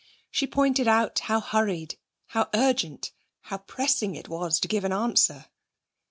She pointed out how hurried, how urgent, how pressing it was to give an answer.